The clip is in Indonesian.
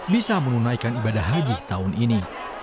bisa menunaikan ibadah haji tahun ini